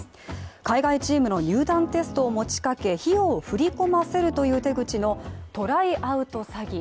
海外チームの入団テストを持ちかけ費用を振り込ませるという手口のトライアウト詐欺。